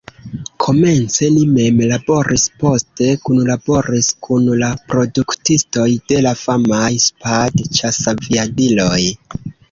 Komence li mem laboris, poste kunlaboris kun la produktistoj de la famaj Spad-ĉasaviadiloj.